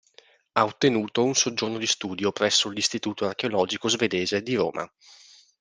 Ha ottenuto un soggiorno di studio presso l'istituto archeologico svedese di Roma.